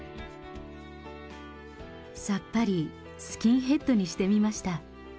さっぱりスキンヘッドにしてみました。